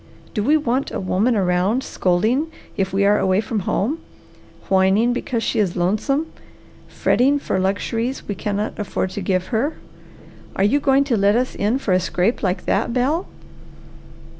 Do we want a woman around scolding if we are away from home, whining because she is lonesome, fretting for luxuries we cannot afford to give her? Are you going to let us in for a scrape like that, Bel?"